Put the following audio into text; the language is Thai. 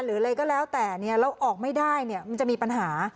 หรืออะไรก็แล้วแต่เราออกไม่ได้มันจะมีปัญหา